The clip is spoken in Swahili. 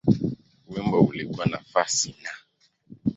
Wimbo ulikuwa nafasi Na.